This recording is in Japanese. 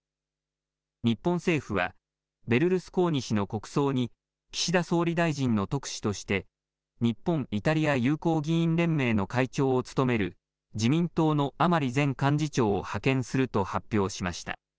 日本政府はベルルスコーニ氏の国葬に岸田総理大臣の特使として日本・イタリア友好議員連盟の会長を務める自民党の甘利前幹事長を派遣すると発表しました。